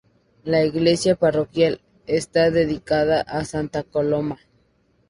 La iglesia parroquial está dedicada a santa Coloma.